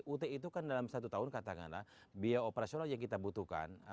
ut itu kan dalam satu tahun katakanlah biaya operasional yang kita butuhkan